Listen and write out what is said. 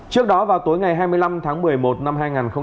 trước đó vào tối ngày hai mươi năm tháng một mươi một năm hai nghìn hai mươi ba